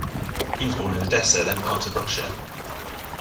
He was born in Odessa, then a part of Russia.